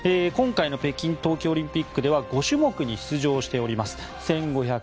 今回の北京冬季オリンピックでは５種目に出場しております。